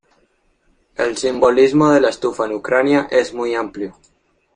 El simbolismo de la estufa en Ucrania es muy amplio.